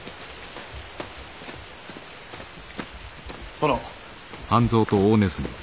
殿。